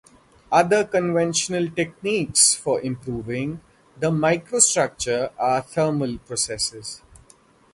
Other conventional techniques for improving the microstructure are thermal processes.